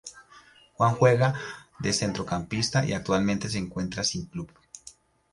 Juega de centrocampista y actualmente se encuentra sin club.